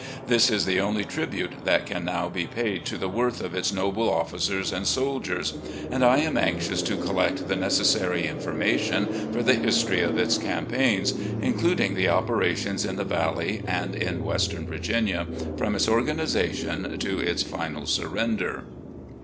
This is the only tribute that can now be paid to the worth of its noble officers and soldiers, and I am anxious to collect the necessary information for the history of its campaigns, including the operations in the Valley and in Western Virginia, from its oig[anisation to its final surrender.